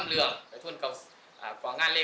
พระพุทธพิบูรณ์ท่านาภิรม